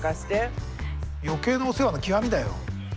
余計なお世話の極みだよ。